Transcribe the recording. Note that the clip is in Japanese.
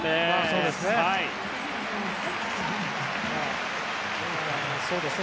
そうですね。